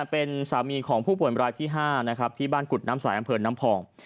เป็นสามีของผู้ป่วยรายที่๕นะครับที่บ้านกุฎน้ำสายอำเภอน้ำพอง